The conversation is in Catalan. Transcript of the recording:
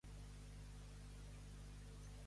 Molt bé va.